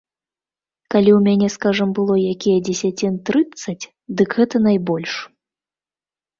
Калі ў мяне, скажам, было якія дзесяцін трыццаць, дык гэта найбольш.